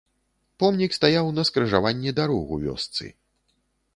Помнік стаяў на скрыжаванні дарог у вёсцы.